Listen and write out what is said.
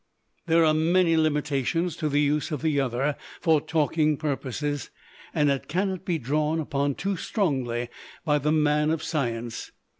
There are many limitations to the use of the other for talking purposes, and it cannot be drawn upon too strongly by the man of science.